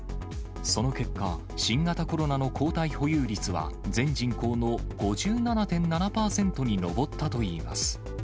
その結果、新型コロナの抗体保有率は、全人口の５７．７％に上ったといいます。